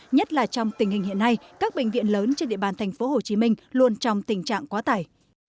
nhất là trong tình hình hiện nay các bệnh viện lớn trên địa bàn tp hcm luôn trong tình trạng quá tải